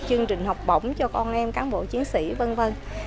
chương trình học bổng cho con em cán bộ chiến sĩ v v